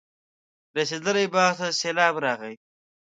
رسېدلي باغ ته سېلاب راغی.